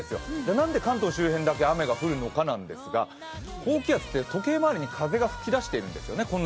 なんで関東周辺だけ雨が降るのかなんですが、高気圧って時計回りに風が吹き出しているんですよね。